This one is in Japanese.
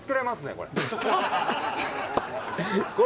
これ。